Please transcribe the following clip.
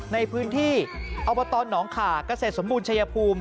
ในพื้นที่เอาประตอนหนองขากเกษตรสมบูรณ์ชะยภูมิ